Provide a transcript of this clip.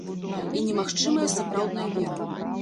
І не магчымая сапраўдная вера.